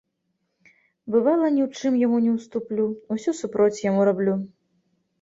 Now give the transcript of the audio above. Бывала, ні ў чым яму не ўступлю, усё супроць яму раблю.